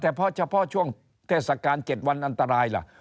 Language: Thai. แต่พอเฉพาะช่วงเทศกาล๗วันอันตรายล่ะ